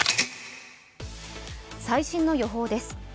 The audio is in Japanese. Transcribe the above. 最新の予報です。